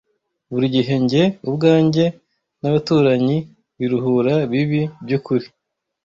Burigihe njye ubwanjye nabaturanyi, biruhura, bibi, byukuri,